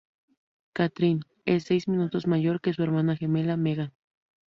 Kathryn es seis minutos mayor que su hermana gemela Megan.